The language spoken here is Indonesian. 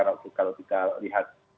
dan kalau kita lihat